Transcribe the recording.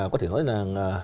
có thể nói là